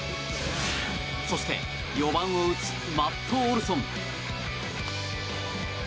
そして４番を打つマット・オルソン。